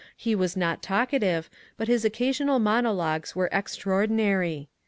He was not talkative, but his occasional monologues were ex traordinary.